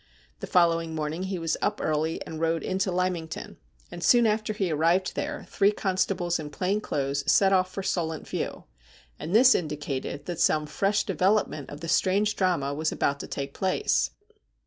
The following morning he was up early, and rode into Lymington, and soon 268 STORIES WEIRD AND WONDERFUL after lie arrived there, three constables in plain clothes set off for Solent View, and this indicated that some fresh develop ment of the strange drama was about to take place.